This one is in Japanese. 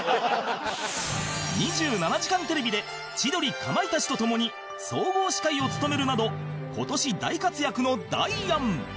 『２７時間テレビ』で千鳥かまいたちと共に総合司会を務めるなど今年大活躍のダイアン